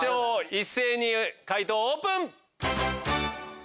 一斉に解答オープン！